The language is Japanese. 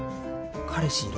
彼氏いる？